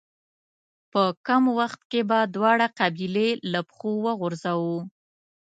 په کم وخت کې به دواړه قبيلې له پښو وغورځوو.